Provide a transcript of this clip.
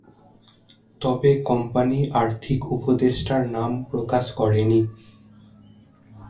তবে কোম্পানি আর্থিক উপদেষ্টার নাম প্রকাশ করেনি।